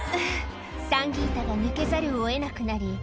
サンギータが抜けざるを得なくなり